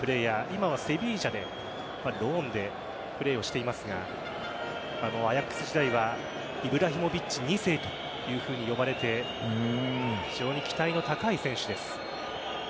今はセヴィージャでローンでプレーをしていますがアヤックス時代はイブラヒモビッチ２世というふうに呼ばれて非常に期待の高い選手です。